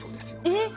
えっ！